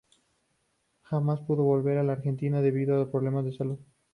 Jamás pudo volver a la Argentina debido a problemas de salud.